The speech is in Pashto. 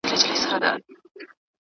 خلګو د فیل د پښو خاپونه ولیدل.